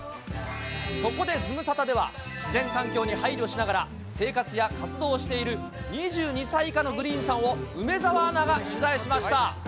そこでズムサタでは、自然環境に配慮しながら、生活や活動をしている２２歳以下のグリーンさんを、梅澤アナが取材しました。